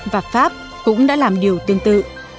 và pháp cũng đã làm điều tương tự